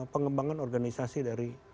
pengembangan organisasi dari